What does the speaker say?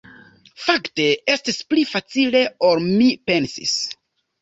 Fakte estis pli facile ol mi pensis.